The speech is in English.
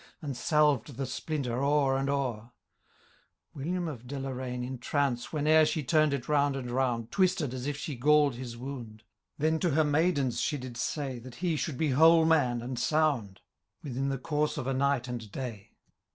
And salyed the splinter o^er and o^er ' William of Deloraine, in trance. Whene'er she tum'd it round and round. Twisted as if she gall'd his wound. Then to her maidens she did say. That he should be whole man and sound. Within the course of a night and day.